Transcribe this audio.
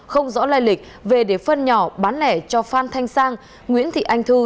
không rõ lai lịch về để phân nhỏ bán lẻ cho phan thanh sang nguyễn thị anh thư